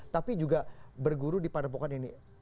tapi juga berguru di padepokan ini